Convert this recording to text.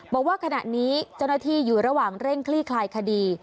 บอกว่าขณะนี้เจ้าหน้าที่อยู่ระหว่างเร่งคลี่คลายคดี